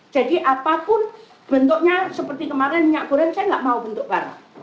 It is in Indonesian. jadi apapun bentuknya seperti kemarin minyak goreng saya enggak mau bentuk barang